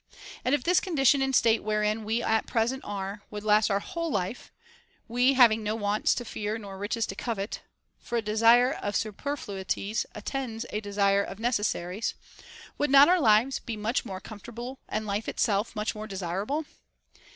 And if this condition and state wherein we at present are would last our whole life, we having no wants to fear nor riches to covet (for a desire of superfluities attends a desire of necessaries), would not our lives be much more comfortable and life itself much more desirable